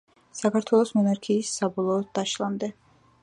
საქართველოს მონარქიის საბოლოოს დაშლამდე.